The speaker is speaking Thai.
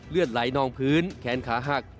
เลือดไหลนองพื้นแขนขาหัก